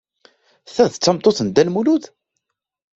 Ta d tameṭṭut n Dda Lmulud?